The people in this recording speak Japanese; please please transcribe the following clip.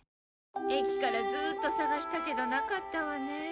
駅からずっと捜したけどなかったわね。